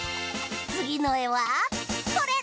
つぎのえはこれ！